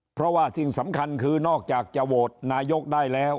เพราะว่าสิ่งสำคัญคือนอกจากจะโหวตนายกได้แล้ว